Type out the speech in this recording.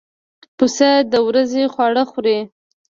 پسه د ورځې خواړه خوري.